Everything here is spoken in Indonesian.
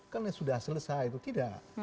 kan sudah selesai tidak